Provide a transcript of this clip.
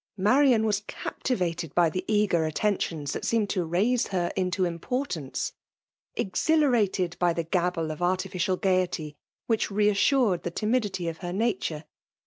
Marian was captivated by the eager attentioBS that seemed to raise her into importance; exhilarated by the gabble of artificial gaiety, which re assured the timidity of her nature.